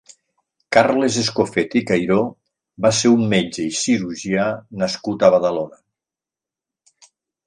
Carles Escofet i Cairó va ser un metge i cirurgià nascut a Badalona.